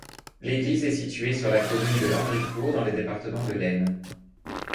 L'église est située sur la commune de Landricourt, dans le département de l'Aisne.